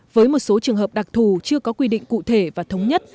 với một số trường hợp đặc thù chưa có quy định cụ thể và thống nhất